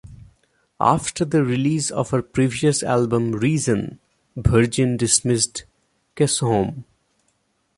After the release of her previous album "Reason", Virgin dismissed Chisholm.